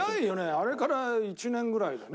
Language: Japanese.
あれから１年ぐらいだよね。